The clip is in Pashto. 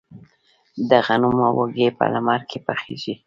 د غنمو وږي په لمر کې پخیږي.